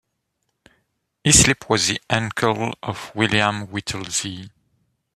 Islip was the uncle of William Whittlesey.